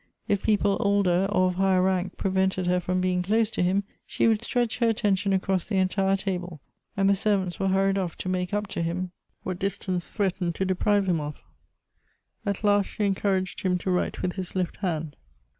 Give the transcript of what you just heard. If people older or of higher rank prevented her from being close to him, she would stretch her attention across the entire table, and the ser\'ants were hurried off to make up to him what distance threatened to deprive 188 Goethe's him of. At last she encouraged him to write with his left hand.